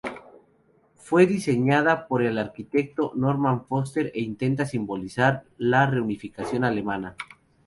Fue diseñada por el arquitecto Norman Foster e intenta simbolizar la Reunificación alemana.